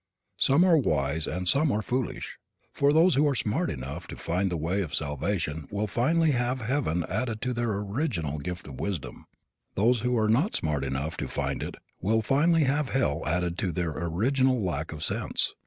Some are wise and some are foolish. Those who are smart enough to find the way of salvation will finally have heaven added to their original gift of wisdom. Those who are not smart enough to find it will finally have hell added to their original lack of sense.